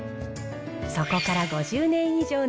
そこから５０年以上の